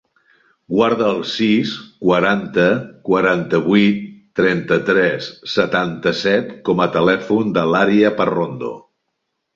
Guarda el sis, quaranta, quaranta-vuit, trenta-tres, setanta-set com a telèfon de l'Aria Parrondo.